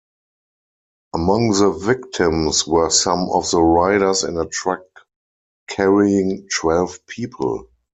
Among the victims were some of the riders in a truck carrying twelve people.